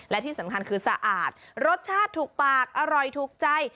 และที่สำคัญคือสะอาดรสชาติถูกปากอร่อยถูกใจ